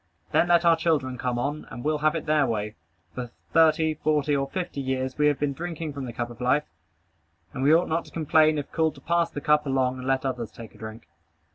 Then let our children come on and we'll have it their way. For thirty, forty, or fifty years, we have been drinking from the cup of life; and we ought not to complain if called to pass the cup along and let others take a drink.